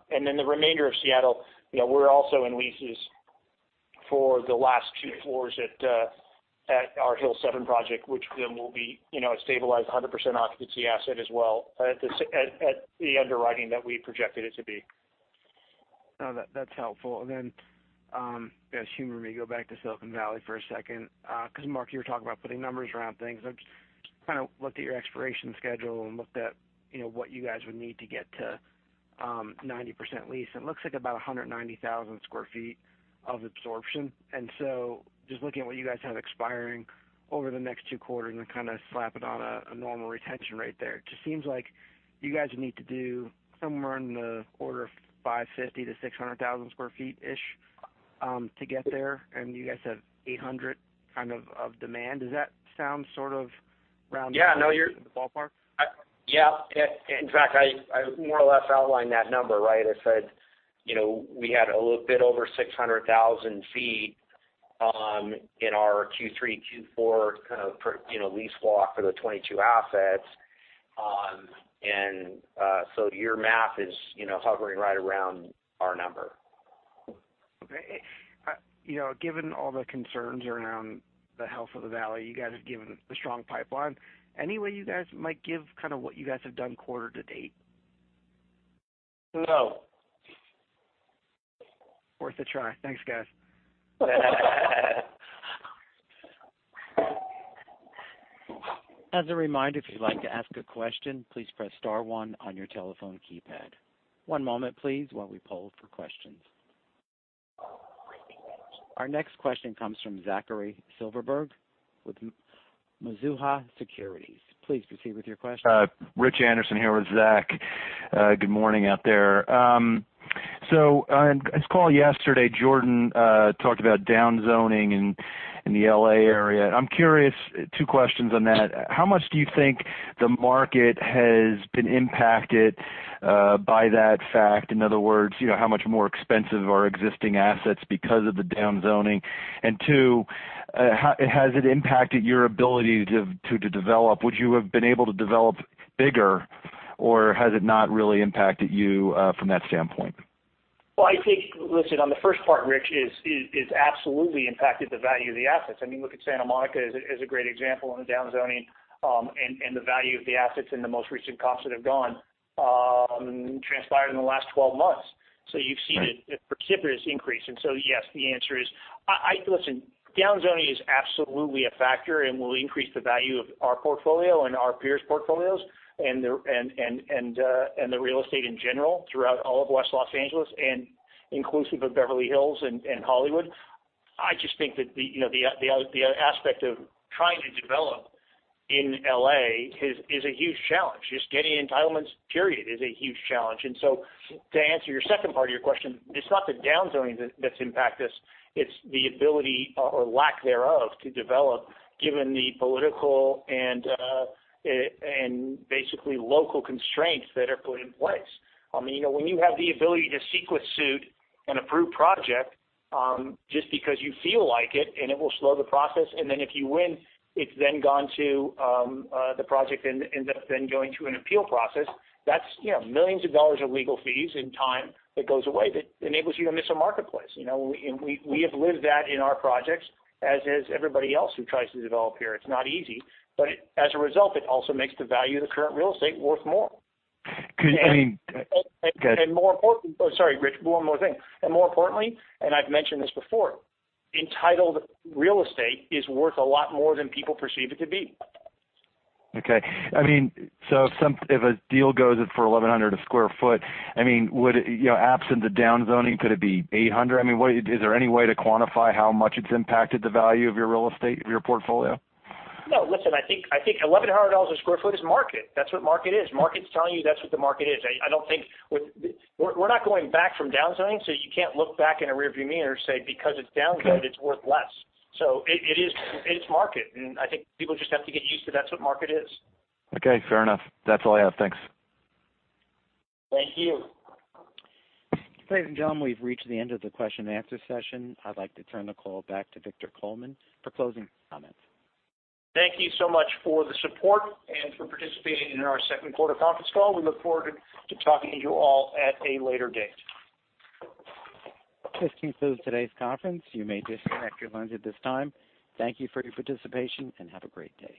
The remainder of Seattle, we're also in leases for the last two floors at our Hill7 project, which then will be a stabilized 100% occupancy asset as well at the underwriting that we projected it to be. No, that's helpful. Then just humor me, go back to Silicon Valley for a second, because Mark, you were talking about putting numbers around things. I just kind of looked at your expiration schedule and looked at what you guys would need to get to 90% lease. It looks like about 190,000 square feet of absorption. So just looking at what you guys have expiring over the next two quarters and then kind of slap it on a normal retention rate there, it just seems like you guys would need to do somewhere in the order of 550,000-600,000 square feet-ish to get there, and you guys have 800 kind of demand. Does that sound sort of round about- Yeah, no. the ballpark? Yeah. In fact, I more or less outlined that number, right? I said we had a little bit over 600,000 sq ft in our Q3, Q4 kind of lease walk for the 22 assets. Your math is hovering right around our number. Okay. Given all the concerns around the health of the Valley, you guys have given a strong pipeline. Any way you guys might give kind of what you guys have done quarter to date? No. Worth a try. Thanks, guys. As a reminder, if you'd like to ask a question, please press star one on your telephone keypad. One moment, please, while we poll for questions. Our next question comes from Zachary Silverberg with Mizuho Securities. Please proceed with your question. Rich Anderson here with Zach. Good morning out there. On this call yesterday, Jordan talked about downzoning in the L.A. area. I'm curious, two questions on that. How much do you think the market has been impacted by that fact? In other words, how much more expensive are existing assets because of the downzoning? Two, has it impacted your ability to develop? Would you have been able to develop bigger, or has it not really impacted you from that standpoint? Well, I think, listen, on the first part, Rich, it's absolutely impacted the value of the assets. Look at Santa Monica as a great example on the downzoning, and the value of the assets and the most recent comps that have transpired in the last 12 months. You've seen a precipitous increase. Yes. Listen, downzoning is absolutely a factor and will increase the value of our portfolio and our peers' portfolios and the real estate in general throughout all of West Los Angeles and inclusive of Beverly Hills and Hollywood. I just think that the aspect of trying to develop in L.A. is a huge challenge. Just getting entitlements, period, is a huge challenge. To answer your second part of your question, it's not the downzoning that's impacted us, it's the ability or lack thereof to develop given the political and basically local constraints that are put in place. When you have the ability to CEQA sue an approved project just because you feel like it, and it will slow the process, and then if you win, the project then ends up then going through an appeal process. That's millions of dollars of legal fees and time that goes away that enables you to miss a marketplace. We have lived that in our projects, as has everybody else who tries to develop here. It's not easy, but as a result, it also makes the value of the current real estate worth more. I mean Go ahead. More importantly Oh, sorry, Rich. One more thing. More importantly, and I've mentioned this before, entitled real estate is worth a lot more than people perceive it to be. Okay. If a deal goes for $1,100 a square foot, absent the downzoning, could it be $800? Is there any way to quantify how much it's impacted the value of your real estate, of your portfolio? No. Listen, I think $1,100 a square foot is market. That's what market is. Market's telling you that's what the market is. We're not going back from downzoning, so you can't look back in a rear view mirror and say because it's downzoned it's worth less. It's market, and I think people just have to get used to that's what market is. Okay, fair enough. That's all I have. Thanks. Thank you. Ladies and gentlemen, we've reached the end of the question and answer session. I'd like to turn the call back to Victor Coleman for closing comments. Thank you so much for the support and for participating in our second quarter conference call. We look forward to talking to you all at a later date. This concludes today's conference. You may disconnect your lines at this time. Thank you for your participation, and have a great day.